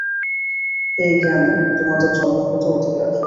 এই জ্ঞানে তোমাদের জন্মগত অধিকার।